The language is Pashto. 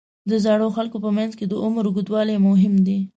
د زړو خلکو په منځ کې د عمر اوږدول مهم دي.